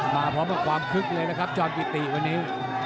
มาพร้อมกับความคึกเลยนะครับจอมกิติวันนี้